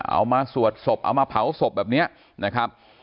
เอามาสวดศพเอามาเผาศพแบบนี้นะครับ